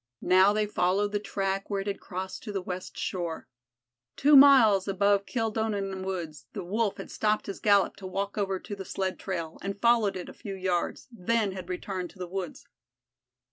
Now they followed the track where it had crossed to the west shore. Two miles above Kildonan woods the Wolf had stopped his gallop to walk over to the sled trail, had followed it a few yards, then had returned to the woods.